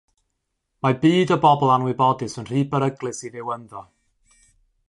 Mae byd o bobl anwybodus yn rhy beryglus i fyw ynddo.